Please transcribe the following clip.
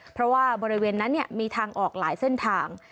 เพราะว่าบริเวณนั้นมีทางออกหลายเส้นทาง